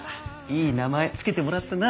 いい名前付けてもらったな。